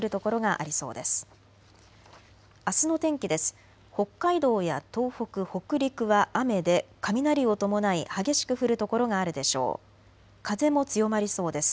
あすの天気です。